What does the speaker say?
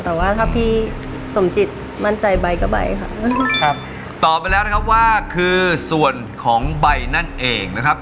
แต่ว่าถ้าพี่สมจิตมั่นใจใบก็ใบค่ะครับตอบไปแล้วนะครับว่าคือส่วนของใบนั่นเองนะครับ